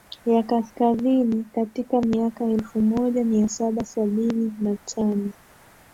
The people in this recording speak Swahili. ya Kaskazini katika miaka elfumoja miasaba sabini nantano